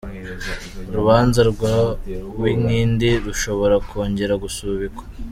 Urubanza rwa Uwinkindi rushobora kongera gusubikwa